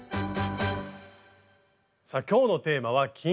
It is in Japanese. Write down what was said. さあ今日のテーマは「金継ぎ」。